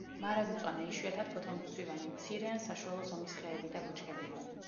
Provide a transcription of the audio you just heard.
მარადმწვანე, იშვიათად ფოთოლმცვივანი, მცირე ან საშუალო ზომის ხეები და ბუჩქებია.